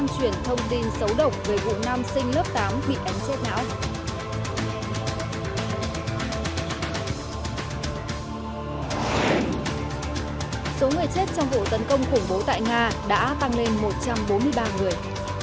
số người chết trong vụ tấn công khủng bố tại nga đã tăng lên một trăm bốn mươi ba người